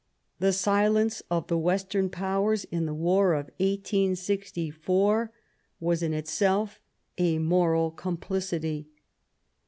The silence of the Western Powers in the war of 1864 was in itself a moral complicity.